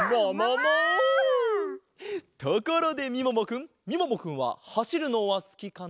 ところでみももくんみももくんははしるのはすきかな？